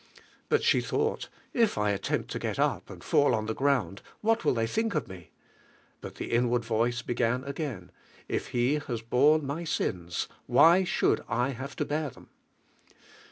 But she though! — If I attempt * to get up, ami fall upon the ground, what will they think of me? But the inward voice begun again: ''If lb 1 lias borne my siua, why should 1 have to beat 1 thorn?'